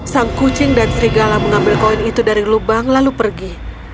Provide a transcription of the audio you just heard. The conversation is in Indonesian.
sang kucing dan serigala mengambil koin itu dari lubang lalu pergi